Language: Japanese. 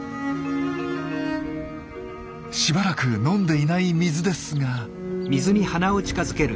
しばらく飲んでいない水ですが。